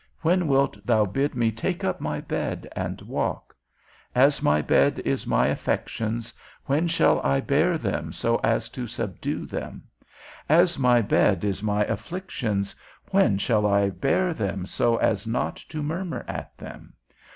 When wilt thou bid me take up my bed and walk? As my bed is my affections, when shall I bear them so as to subdue them? As my bed is my afflictions, when shall I bear them so as not to murmur at them?